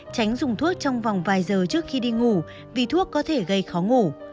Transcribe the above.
tránh dùng thuốc trong vòng vài giờ trước khi đi ngủ vì thuốc có thể gây khó ngủ